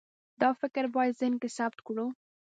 دا فکر باید ذهن کې ثبت کړو.